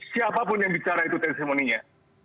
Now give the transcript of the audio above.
siapapun yang bicara itu testimoni nya